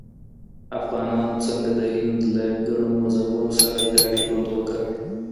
افغانانو څنګه د هند له ګڼو مذهبونو سره ګډ ژوند وکړ؟